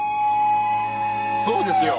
そうですよ。